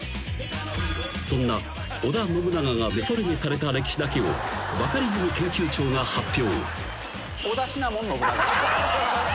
［そんな織田信長がデフォルメされた歴史だけをバカリズム研究長が発表］